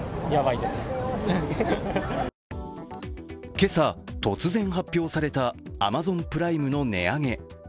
今朝、突然発表されたアマゾンプライムの値上げ。